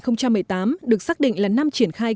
năm hai nghìn một mươi tám được xác định là năm triển khai